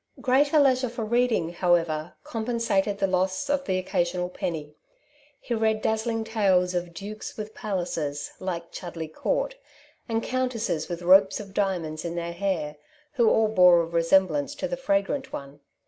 Greater leisure for reading, however, compensated the loss of the occasional penny. He read dazzling tales of dukes with palaces (like Chudley Court), and countesses with ropes of diamonds in their hair, who all bore a resemblance to the fragrant one.